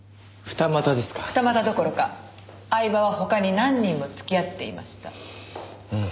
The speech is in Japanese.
二股どころか饗庭は他に何人も付き合っていました。